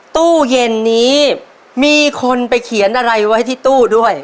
ตู้เย็นนี้มีคนไปเขียนอะไรไว้ที่ตู้ด้วย